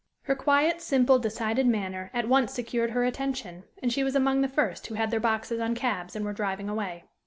Her quiet, simple, decided manner at once secured her attention, and she was among the first who had their boxes on cabs and were driving away.